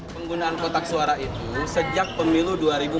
penggunaan kotak suara itu sejak pemilu dua ribu empat belas